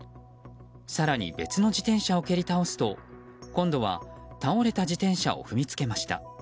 更に別の自転車を蹴り倒すと今度は倒れた自転車を踏みつけました。